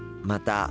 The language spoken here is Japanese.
また。